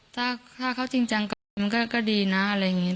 ถ้าเขาจริงจังกับคุณก็ดีนะอะไรอย่างนี้